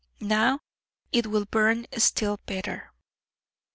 Now it will burn still better.